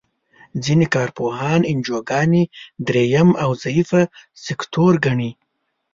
ځینې کار پوهان انجوګانې دریم او ضعیفه سکتور ګڼي.